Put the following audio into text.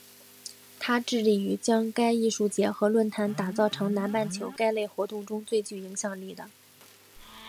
它致力于将该艺术节和论坛打造成南半球该类活动中最具影响力的。